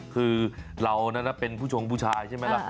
คือเรานั้นเป็นผู้ชงผู้ชายใช่ไหมล่ะ